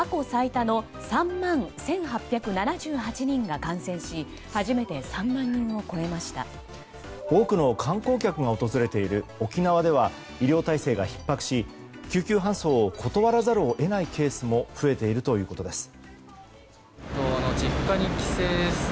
多くの観光客が訪れている沖縄では医療体制がひっ迫し救急搬送を断らざるを得ないケースも増えているということです。